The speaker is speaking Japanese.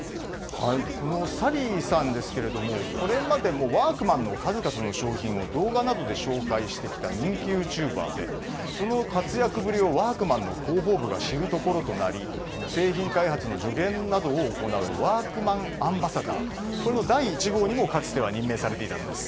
このサリーさんですがこれまでもワークマンの数々の商品を動画などで紹介してきた人気ユーチューバーでその活躍ぶりをワークマンの広報部が知るところとなり製品開発の助言などを行うワークマンアンバサダーこれの第１号にもかつては任命されていたんです。